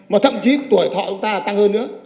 mà thậm chí tuổi họ chúng ta là tăng hơn nữa